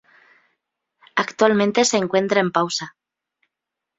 Actualmente se encuentra en pausa.